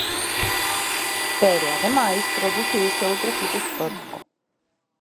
Pero, ademais, produciuse outro fito histórico.